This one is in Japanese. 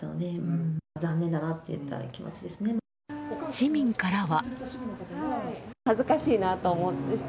市民からは。